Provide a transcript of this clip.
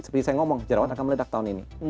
seperti yang saya bilang jerawat akan meledak tahun ini